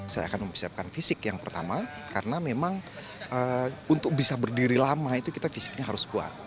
saya akan mempersiapkan fisik yang pertama karena memang untuk bisa berdiri lama itu kita fisiknya harus kuat